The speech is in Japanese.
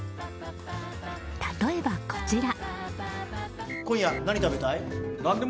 例えばこちら。